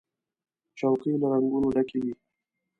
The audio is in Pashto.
چوکۍ له رنګونو ډکې وي.